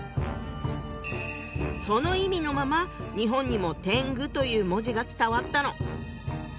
その意味のまま日本にも「天狗」という文字が伝わったの。